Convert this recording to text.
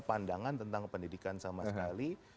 pandangan tentang pendidikan sama sekali